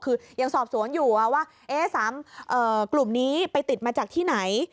คือยังสอบสวนอยู่ว่า๓กลุ่มนี้ไปติดมาจากที่ไหน